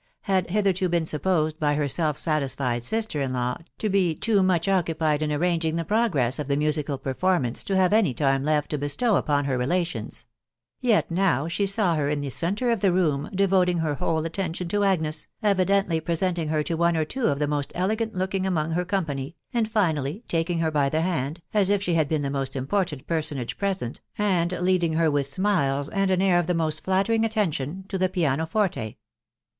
945 —had hitherto been supposed by her self satisfied sister in law to he too much occupied in arranging the progress of the mu sical performance to have any time left to bestow upon her relations ; yet now she saw her in the centre of the ropm, devoting her whole attention to Agnes, evidently presenting her to one or two of the most: elegant looking among her com pany, and finally taking her by the hand, a& if she had been the most important personage present, and leading her with smiles, and an air of the most flattering affection, to the piano forte.